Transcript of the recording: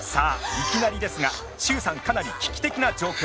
いきなりですが徐さんかなり危機的な状況！